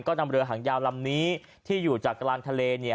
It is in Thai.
ก็นำเรือหางยาวลำนี้ที่อยู่จากกลางทะเลเนี่ย